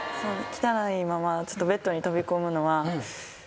汚いままベッドに飛び込むのはちょっと。